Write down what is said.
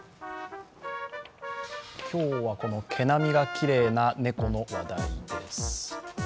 今日は、この毛並みがきれいな猫の話題です。